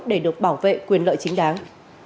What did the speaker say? để được bảo vệ quyền lợi chính đáng